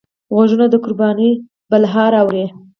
غوږونه د قربانۍ بلهار اوري